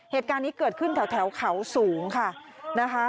เหตุการณ์นี้เกิดขึ้นแถวเขาสูงค่ะนะคะ